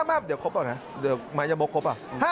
มาเริ่มครบ